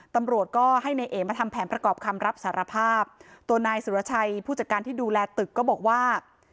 ตำรวจก็ให้นายเอ๋มาทำแผนประกอบคำรับสารภาพตัวนายสุรชัยผู้จัดการที่ดูแลตึกก็บอกว่า